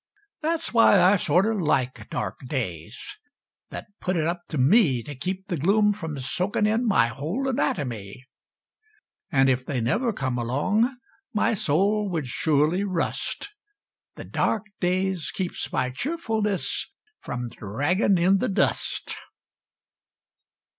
That's why I sorter like dark days, That put it up to me To keep th' gloom from soakin' in My whole anatomy! An' if they never come along My soul would surely rust Th' dark days keeps my cheerfulness From draggin' In th' dust!